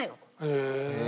へえ。